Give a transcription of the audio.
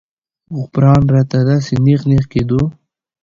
غوپران راته داسې نېغ نېغ کېدو.